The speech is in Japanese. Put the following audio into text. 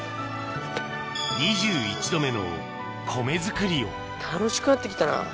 ２１度目の米作りを楽しくなって来たな。